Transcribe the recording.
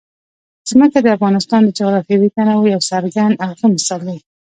ځمکه د افغانستان د جغرافیوي تنوع یو څرګند او ښه مثال دی.